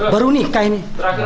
baru nikah ini